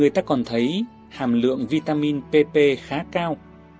các con thấy hàm lượng vitamin pp khá cao